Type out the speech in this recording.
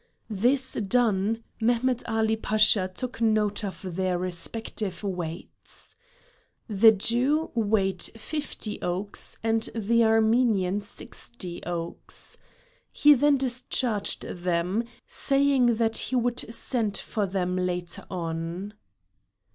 This done, Mehmet Ali Pasha took note of their respective weights. The Jew weighed fifty okes and the Armenian sixty okes. He then discharged them, saying that he would send for them later on.